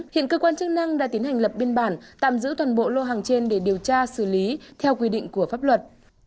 hiện cơ quan chức năng đã tiến hành lập biên bản tạm giữ toàn bộ lô hàng trên để điều tra xử lý theo quy định của pháp luật